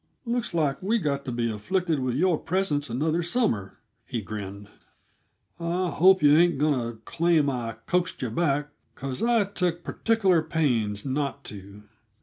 "Looks like we'd got to be afflicted with your presence another summer," he grinned. "I hope yuh ain't going to claim I coaxed yuh back, because I took particular pains not to.